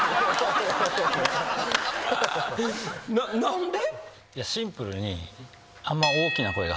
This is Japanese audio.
何で？